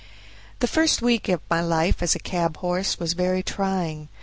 The first week of my life as a cab horse was very trying.